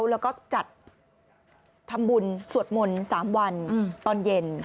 แล้วก็จัดทำบุญสวดมนต์๓วันตอนเย็น